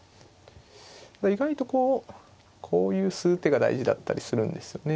意外とこういう数手が大事だったりするんですよね